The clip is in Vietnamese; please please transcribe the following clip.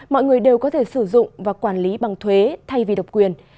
mọi người đều có thể sử dụng và quản lý bằng thuế thay vì độc quyền